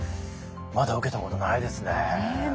まだ受けたことないですね。